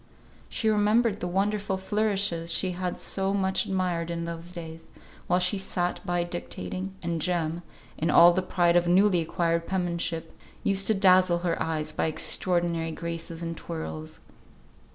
She remembered the wonderful flourishes she had so much admired in those days, while she sat by dictating, and Jem, in all the pride of newly acquired penmanship, used to dazzle her eyes by extraordinary graces and twirls.